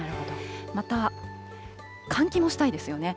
また、換気もしたいですよね。